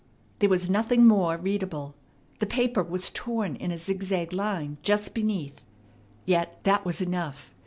There was nothing more readable. The paper was torn in a zigzag line just beneath. Yet that was enough.